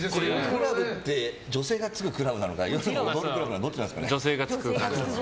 クラブって女性がつくクラブなのか踊るクラブなのかどっちなんですかね。